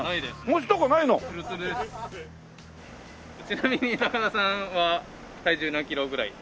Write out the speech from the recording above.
ちなみに高田さんは体重何キロぐらい？